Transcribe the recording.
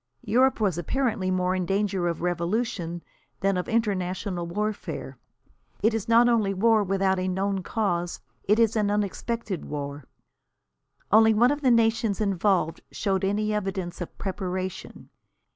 Europe was apparently more in danger of revolution than of international warfare. It is not only war without a known cause, it is an unexpected war. Only one of the nations involved showed any evidence of preparation.